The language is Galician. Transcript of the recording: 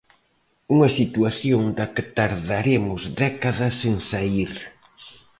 Unha situación da que tardaremos décadas en saír.